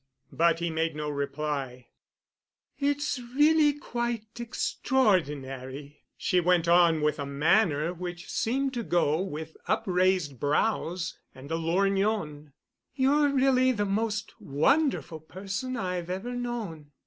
But he made no reply. "It's really quite extraordinary," she went on with a manner which seemed to go with upraised brows and a lorgnon. "You're really the most wonderful person I've ever known.